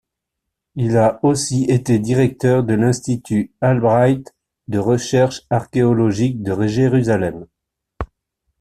Il a aussi été directeur de l’Institut Albright de recherches archéologiques de Jérusalem.